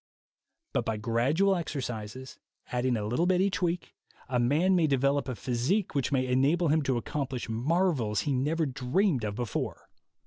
But by gradual exercises, adding a little bit each week, a man may develop a physique which may enable him to accomplish marvels he never dreamed of before.